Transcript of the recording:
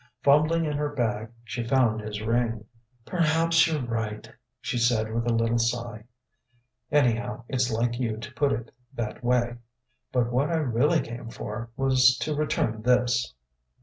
Fumbling in her bag, she found his ring. "Perhaps you're right," she said with a little sigh. "Anyhow, it's like you to put it that way.... But what I really came for, was to return this."